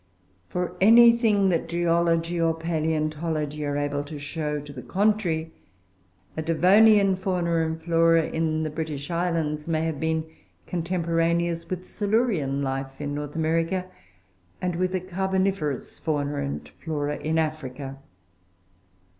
For anything that geology or palaeontology are able to show to the contrary, a Devonian fauna and flora in the British Islands may have been contemporaneous with Silurian life in North America, and with a Carboniferous fauna and flora in Africa.